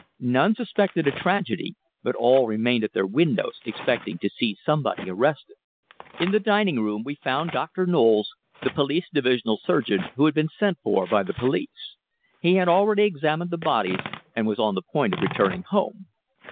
None suspected a tragedy, but all remained at their windows expecting to see somebody arrested. In the dining room we found Doctor Knowles, the police divisional surgeon, who had been sent for by the police. He had already examined the bodies and was on the point of returning home.